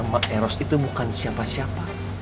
maeros itu bukan siapa siapa